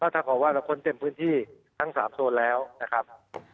ถ้าเกิดว่าเราค้นเต็มพื้นที่ทั้ง๓โซนแล้วนะครับ